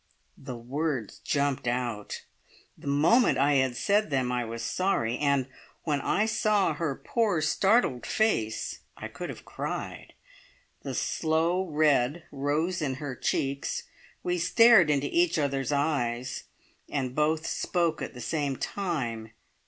The words jumped out. The moment I had said them I was sorry, and when I saw her poor startled face I could have cried. The slow red rose in her cheeks; we stared into each other's eyes, and both spoke at the same time.